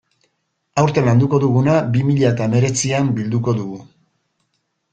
Aurten landuko duguna bi mila eta hemeretzian bilduko dugu.